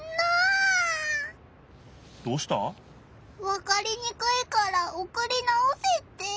わかりにくいからおくり直せって。